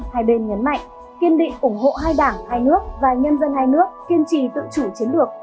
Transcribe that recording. hai bên nhấn mạnh kiên định ủng hộ hai đảng hai nước và nhân dân hai nước kiên trì tự chủ chiến lược